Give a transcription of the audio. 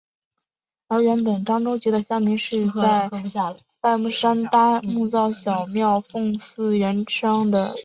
而原本漳州籍的乡民是在外木山搭木造小庙奉祀原乡的守护神开漳圣王。